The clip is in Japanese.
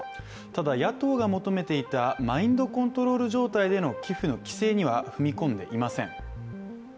ただ野党が求めていたマインドコントロール状態での寄付の規制には踏み込んでいません。